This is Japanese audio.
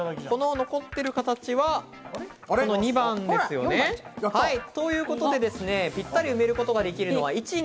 残ってる形はこの２番ですよね。ということで、ぴったり埋めることができるのは１、２、３。